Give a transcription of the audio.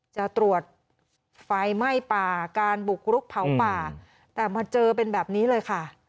จะตรวจไฟไหม้ป่าการบุกรุกเผาป่าแต่มาเจอเป็นแบบนี้เลยค่ะ